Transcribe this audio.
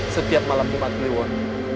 setiap malam jumat kliwon